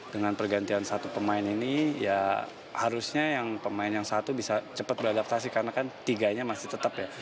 dengan pergantian satu pemain ini ya harusnya yang pemain yang satu bisa cepat beradaptasi karena kan tiganya masih tetap ya